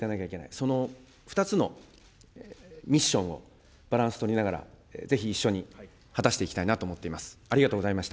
その２つのミッションを、バランス取りながら、ぜひ一緒に果たしていきたいなと思っています。